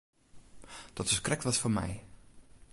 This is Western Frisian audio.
Dat is krekt wat foar my.